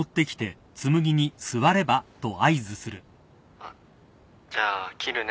あっじゃあ切るね。